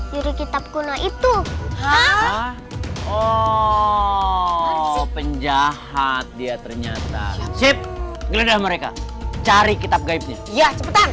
yuri kitab kuno itu hah oh penjahat dia ternyata sip geledah mereka cari kitab gaibnya ya cepetan